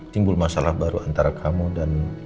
timbul masalah baru antara kamu dan